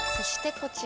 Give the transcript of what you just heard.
こちら